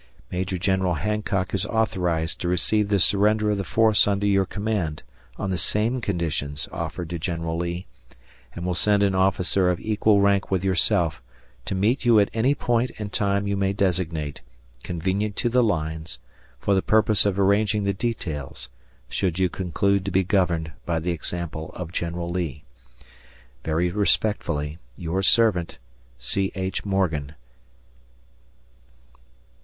Major General Hancock is authorized to receive the surrender of the force under your command on the same conditions offered to General Lee, and will send an officer of equal rank with yourself to meet you at any point and time you may designate, convenient to the lines, for the purpose of arranging the details, should you conclude to be governed by the example of General Lee. Very respectfully, Your servant, C. H. Morgan, Bat.